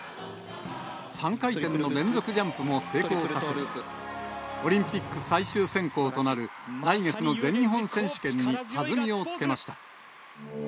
３回転の連続ジャンプも成功させ、オリンピック最終選考となる来月の全日本選手権に弾みをつけました。